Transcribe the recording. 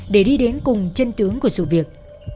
để đi đến cùng chân tướng của sự việc